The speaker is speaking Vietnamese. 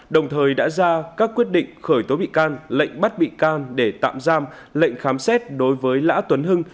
đồng thời đã ra các quyết định khởi tố bị can lệnh bắt bị can để tạm giam lệnh khám xét đối với lã tuấn hưng